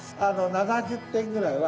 ７０点ぐらいは。